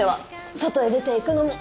外へ出ていくのも。